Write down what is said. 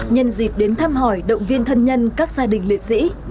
nhân dịp đến thăm hỏi động viên thân nhân các gia đình liệt sĩ